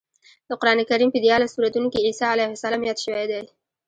د قرانکریم په دیارلس سورتونو کې عیسی علیه السلام یاد شوی دی.